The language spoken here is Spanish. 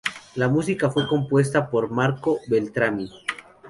La música fue compuesta por Marco Beltrami.